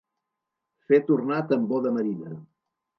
Fer tornar tambor de marina.